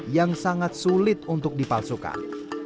yang sangat sulit untuk dipalsukan